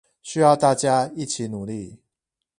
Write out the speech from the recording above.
需要大家一起努力